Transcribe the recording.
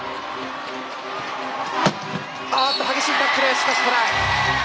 あっと激しいタックルしかしトライ。